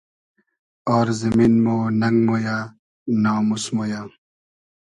آر زیمین مۉ نئنگ مۉیۂ ناموس مۉ یۂ